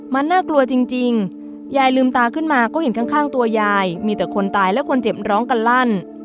มันน่ากลัวจริงยายลืมตาขึ้นมาก็เห็นข้างตัวยายมีแต่คนตายและคนเจ็บร้องกันลั่น